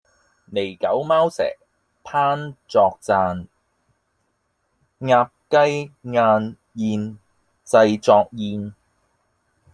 狸狗貓蛇烹作饌，鴨雞雁雀製成筵